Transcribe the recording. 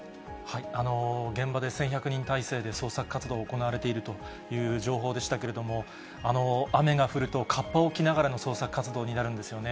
現場で１１００人態勢で捜索活動、行われているという情報でしたけれども、雨が降ると、かっぱを着ながらの捜索活動になるんですよね。